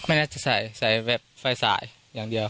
ไม่น่าจะใส่ใส่แบบไฟสายอย่างเดียว